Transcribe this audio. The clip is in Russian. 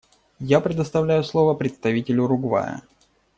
Я предоставляю слово представителю Уругвая.